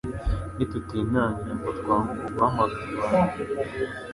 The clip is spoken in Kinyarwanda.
Ni tutinangira ngo twange uko guhamagarwa,